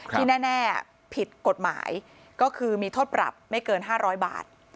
ที่แน่ผิดกฎหมายก็คือมีโทษปรับไม่เกิน๕๐๐บาท